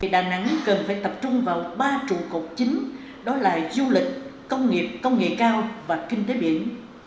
đà nẵng cần phải tập trung vào ba trụ cột chính đó là du lịch công nghiệp công nghệ cao và kinh tế biển